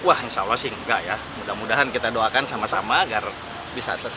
wah insya allah sih enggak ya mudah mudahan kita doakan sama sama agar bisa selesai